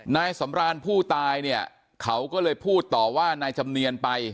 นายสำรานผู้ตายเนี่ยเขาก็เลยพูดต่อว่านายจำเนียนไป